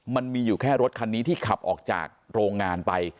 มันมีอยู่แค่รถคันนี้ที่ขับออกจากโรงงานไป